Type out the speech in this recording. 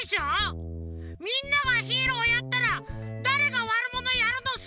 みんながヒーローやったらだれがワルモノやるのさ！